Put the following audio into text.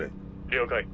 了解。